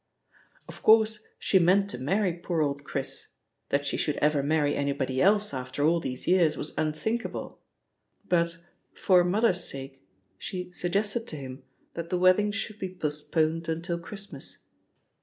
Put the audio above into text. Of course, she meant to marry "poor old Chris" — ^that she should ever marry anybody else after all these years, was unthinkable — but, "For mother's sake," she suggested to him that the wedding should be postponed until Christmas.